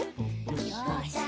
よし。